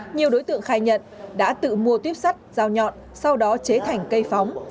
nhiều đối tượng khai nhận đã tự mua tuyếp sắt dao nhọn sau đó chế thành cây phóng